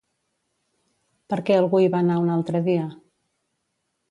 Per què algú hi va anar un altre dia?